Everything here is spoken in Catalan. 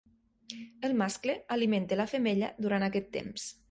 El mascle alimenta la femella durant aquest temps.